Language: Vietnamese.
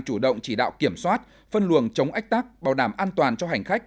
chủ động chỉ đạo kiểm soát phân luồng chống ách tắc bảo đảm an toàn cho hành khách